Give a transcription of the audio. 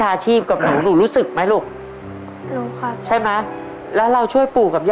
ตั้งแต่ป๑ครับ